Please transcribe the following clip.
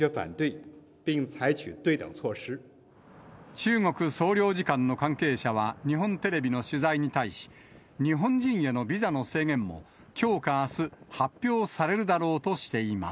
中国総領事館の関係者は日本テレビの取材に対し、日本人へのビザの制限も、きょうかあす、発表されるだろうとしています。